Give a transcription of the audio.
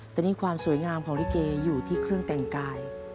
แต่นี่ความสวยงามของลิเกอยู่ที่เครื่องแต่งกาย